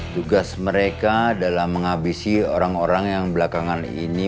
tugas mereka dalam menghabisi orang orang yang belakangan ini